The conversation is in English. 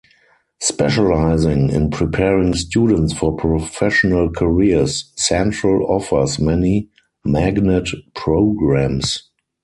Specializing in preparing students for professional careers, Central offers many magnet programs.